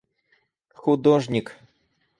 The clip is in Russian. художник